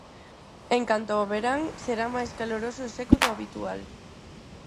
En canto ao verán, será máis caloroso e seco do habitual.